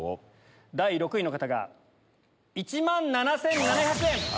第６位の方が１万７７００円。